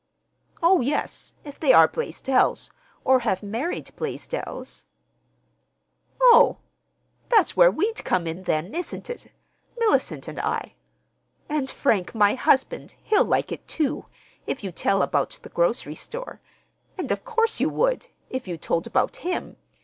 "Oh, yes, if they are Blaisdells, or have married Blaisdells." "Oh! That's where we'd come in, then, isn't it? Mellicent and I? And Frank, my husband, he'll like it, too,—if you tell about the grocery store. And of course you would, if you told about him.